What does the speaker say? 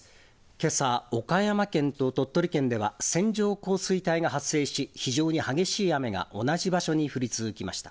けさ、岡山県と鳥取県では線状降水帯が発生し、非常に激しい雨が同じ場所に降り続きました。